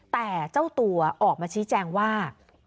แต่เจ้าตัวออกมาชี้แจงว่า